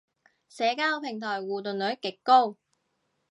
社交平台互動率極高